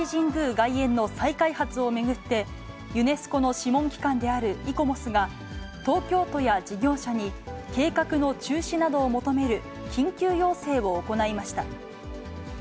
外苑の再開発を巡って、ユネスコの諮問機関であるイコモスが、東京都や事業者に計画の中止などを求める緊急要請を行いました。